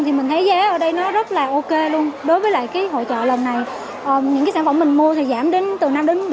kinh tế ở đây rất là ok luôn đối với hội trợ lần này những sản phẩm mình mua thì giảm từ năm bảy mươi